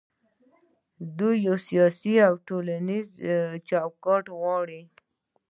دوی یو سیاسي او ټولنیز چوکاټ غواړي.